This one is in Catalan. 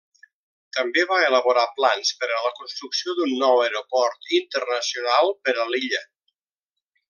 També va elaborar plans per a la construcció d'un nou aeroport internacional per a l'illa.